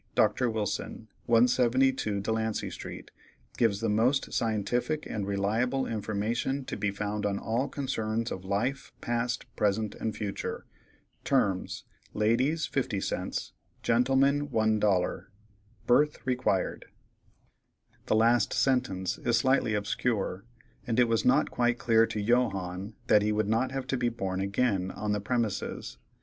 —Dr. Wilson, 172 Delancey street, gives the most scientific and reliable information to be found on all concerns of life, past, present, and future. Terms—ladies, 50 cents; gentlemen, $1. Birth required." The last sentence is slightly obscure, and it was not quite clear to Johannes that he would not have to be "born again" on the premises.